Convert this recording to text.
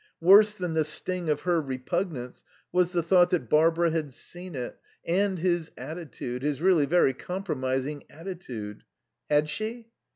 Worse than the sting of her repugnance was the thought that Barbara had seen it and his attitude, his really very compromising attitude. Had she?